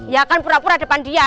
ya kan pura pura depan dia